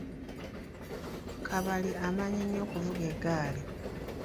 Kabali amanyi nnyo okuvuga eggaali